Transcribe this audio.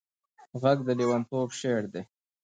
غږ د لېونتوب شعر دی